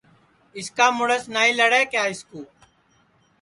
اِس کا مُڑس نائی لڑے کیا اِس کُو